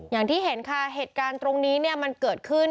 อย่างที่เห็นค่ะเหตุการณ์ตรงนี้เนี่ยมันเกิดขึ้น